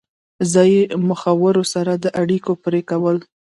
ځایي مخورو سره د اړیکو پرې کول.